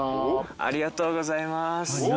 ありがとうございますうわ。